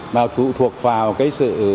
mà thụ thuộc vào cái sự